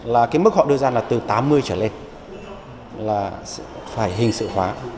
là cái mức họ đưa ra là từ tám mươi trở lên là phải hình sự hóa